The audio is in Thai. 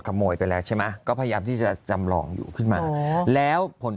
ขโมยไปแล้วใช่ไหมก็พยายามที่จะจำลองอยู่ขึ้นมาแล้วผล